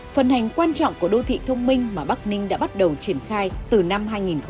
phần hành quan trọng của đô thị thông minh mà bắc ninh đã bắt đầu triển khai từ năm hai nghìn một mươi năm